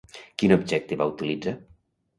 Quin objecte va utilitzar?